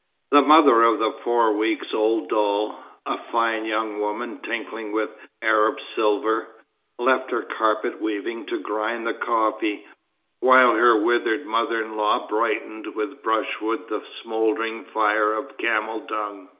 The mother of the four weeks' old doll, a fine young woman tinkling with Arab silver, left her carpet weaving to grind the coffee, while her withered mother in law brightened with brushwood the smouldering fire of camel dung.